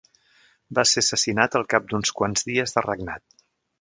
Va ser assassinat al cap d'uns quants dies de regnat.